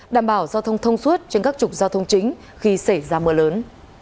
đảm bảo giao thông thông suốt trên các trục giao thông chính khi xảy ra mưa lớn